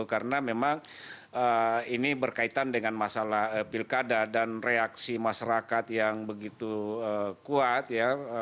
karena memang ini berkaitan dengan masalah pilkada dan reaksi masyarakat yang begitu kuat ya